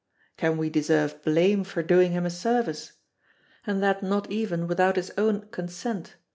Can we deserve blame for doing him a service? And that not even without his own consent?